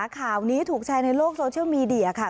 ข่าวนี้ถูกแชร์ในโลกโซเชียลมีเดียค่ะ